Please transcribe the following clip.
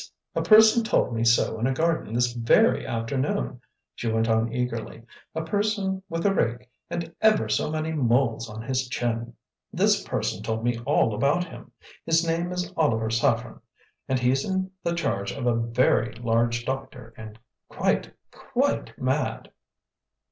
A person told me so in a garden this VERY afternoon," she went on eagerly; "a person with a rake and EVER so many moles on his chin. This person told me all about him. His name is Oliver Saffren, and he's in the charge of a VERY large doctor and quite, QUITE mad!"